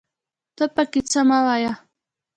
ته پکې څه مه وايه